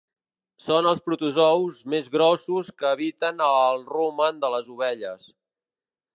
Són els protozous més grossos que habiten el rumen de les ovelles.